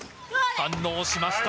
反応しました。